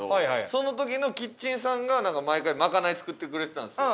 その時のキッチンさんが毎回まかない作ってくれてたんですよ。